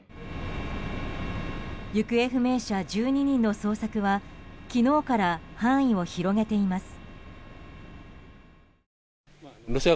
行方不明者１２人の捜索は昨日から範囲を広げています。